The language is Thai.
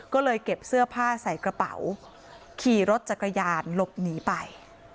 ก็เลยเก็บเสื้อผ้าใส่กระเป๋าขี่รถจักรยานหลบหนีไป